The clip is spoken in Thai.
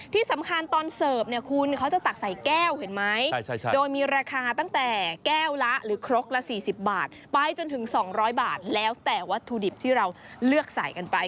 ที่สำคัญตอนเสิร์ฟเนี่ยคุณเขาจะตักใส่แก้วเห็นไหมโดยมีราคาตั้งแต่แก้วละหรือครกละ๔๐บาทไปจนถึง๒๐๐บาทแล้วแต่วัตถุดิบที่เราเลือกใส่กันไป